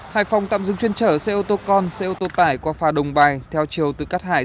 hải phòng tạm dừng chuyên trở xe ô tô con xe ô tô tải qua phà đồng bài theo chiều từ cát hải